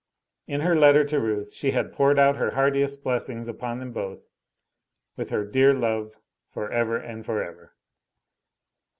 In her letter to Ruth she had poured out her heartiest blessings upon them both, with her dear love forever and forever.